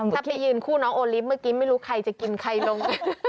ถ้าไปยืนคู่น้องโอลิฟต์เมื่อกี้ไม่รู้ใครจะกินใครลง